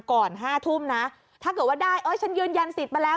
ก่อน๕ทุ่มนะถ้าเกิดว่าได้เอ้ยฉันยืนยันสิทธิ์มาแล้ว